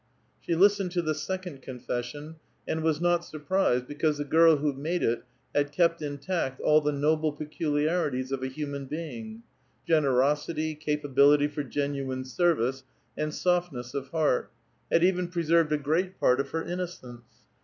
She listened to the second confession, and was not sur prised, because the girl who made it liad kept intact all the noble peculiarities of a human being, — generosity, capability for genuine service, and softness of heart, — had even pre sei'ved a great part of her innocence.